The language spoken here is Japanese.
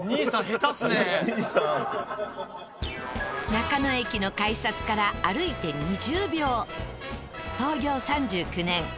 中野駅の改札から歩いて２０秒。